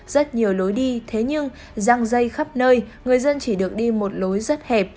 rất nhiều lối đi thế nhưng răng dây khắp nơi người dân chỉ được đi một lối rất hẹp